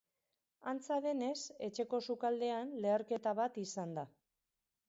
Antza denez, etxeko sukaldean leherketa bat izan da.